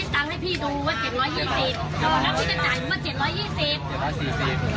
ตัวเต็มมันมีราคาใกล้บอกอยู่แล้วนะ